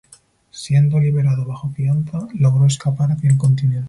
Siendo liberado bajo fianza, logró escapar hacia el continente.